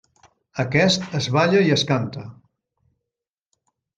Aquest es balla i es canta.